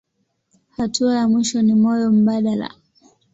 Hatua ya mwisho ni moyo mbadala.